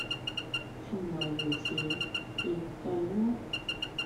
「從來如此，便對麼？」